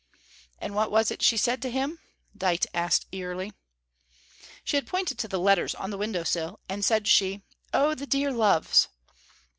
And what was it she said to him? Dite asked eagerly. She had pointed to the letters on the window sill, and said she, "Oh, the dear loves!"